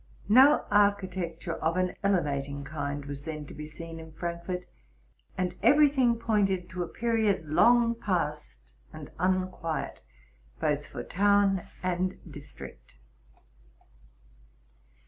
No architecture of an elevating kind was then to be seen in Frankfort ; and every thing pointed to a period long past and unquiet, both for town and district.